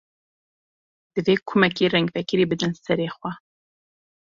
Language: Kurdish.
Divê kumekî rengvekirî bidin serê xwe.